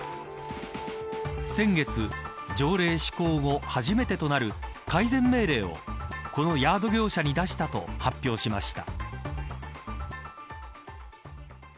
先月、条例施行後初めてとなる改善命令をこのヤード業者に出したと発表しました。